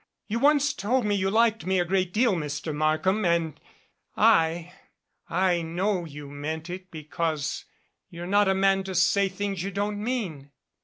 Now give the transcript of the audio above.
You once told me you liked me a great deal, Mr. Mark ham, and I I know you meant it because you're not a man to say things you don't mean."